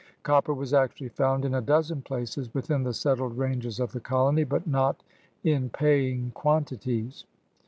Copper was actually found in a dozen places within the settled ranges of the colony, but not in paying quantities.